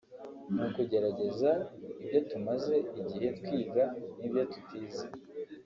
ni ukugerageza ibyo tumaze igihe twiga n’ ibyo tutize